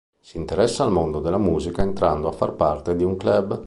Si interessa al mondo della musica entrando a far parte di un club.